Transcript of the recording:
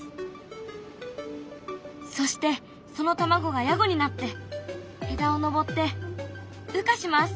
そしてその卵がヤゴになって枝を登って羽化します。